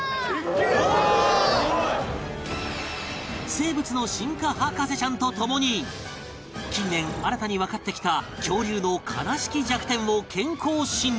生物の進化博士ちゃんと共に近年新たにわかってきた恐竜の悲しき弱点を健康診断